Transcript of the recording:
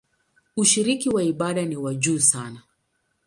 Ushiriki wa ibada ni wa juu sana.